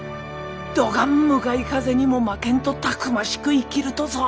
どがん向かい風にも負けんとたくましく生きるとぞ。